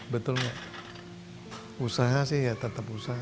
betul usaha sih ya tetap usaha